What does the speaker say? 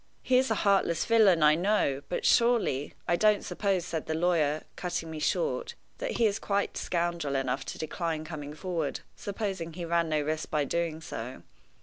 He is a heartless villain, I know; but surely " "I don't suppose," said the lawyer, cutting me short, "that he is quite scoundrel enough to decline coming forward, supposing he ran no risk by doing so.